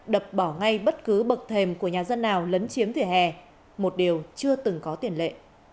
đập bỏ ngay bất cứ bậc thèm của nhà dân nào lấn chiếm vỉa hè một điều chưa từng có tiền lệ